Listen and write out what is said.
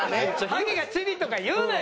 ハゲが「チビ」とか言うなよ。